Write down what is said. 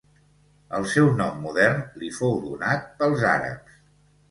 El seu nom modern li fou donat pels àrabs.